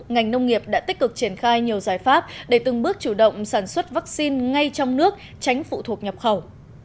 ngành nông nghiệp đã tích cực triển khai nhiều giải pháp để từng bước chủ động sản xuất vaccine ngay trong nước tránh phụ thuộc nhập khẩu